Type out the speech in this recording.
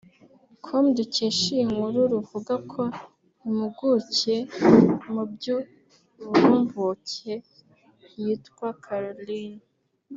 com dukesha iyi nkuru ruvuga ko impuguke mu by’uburumbuke yitwa Carolyn